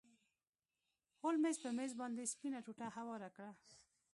هولمز په میز باندې سپینه ټوټه هواره کړه.